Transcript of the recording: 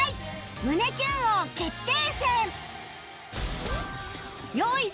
胸キュン王決定戦！